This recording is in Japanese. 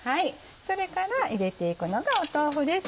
それから入れていくのが豆腐です。